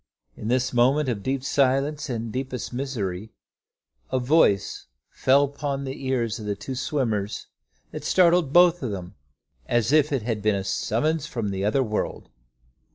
In this moment of deep silence and deepest misery, a voice fell upon the ears of the two swimmers that startled both of them, as if it had been a summons from the other world.